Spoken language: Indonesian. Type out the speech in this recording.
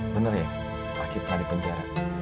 bener ya aki pernah di penjara